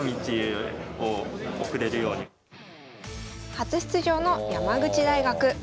初出場の山口大学。